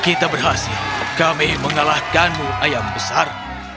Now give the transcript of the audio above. kita berhasil kami mengalahkanmu ayam besar